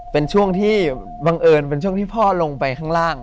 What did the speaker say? เป็นช่วงที่บังเอิญเป็นช่วงที่พ่อลงไปข้างล่าง